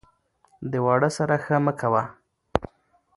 ـ د واړه سره ښه مه کوه ،